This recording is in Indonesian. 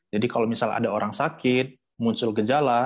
jadi kalau misalnya ada orang sakit muncul gejala